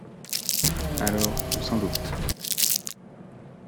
Alors, on s’en doute !